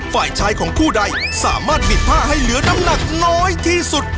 ฝ่ายชายของคู่ใดสามารถบิดผ้าให้เหลือน้ำหนักน้อยที่สุด